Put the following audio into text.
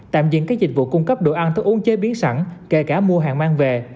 tạm dừng các dịch vụ cung cấp đồ ăn thức uống chế biến sẵn kể cả mua hàng mang về